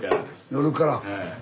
夜から。